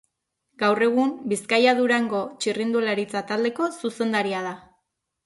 Gaur egun, Bizkaia-Durango txirrindularitza-taldeko zuzendaria da.